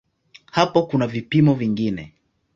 Hapo kuna vipimo vingine.